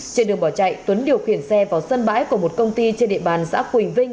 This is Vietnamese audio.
trên đường bỏ chạy tuấn điều khiển xe vào sân bãi của một công ty trên địa bàn xã quỳnh vinh